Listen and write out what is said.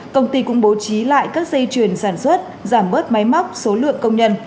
công ty cũng bố trí lại các dây chuyền sản xuất giảm bớt máy móc số lượng công nhân